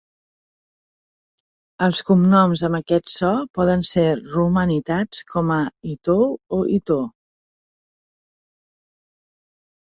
Els cognoms amb aquest so poden ser romanitats com a Itou o Itoh.